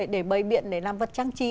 để bày biện để làm vật trang trí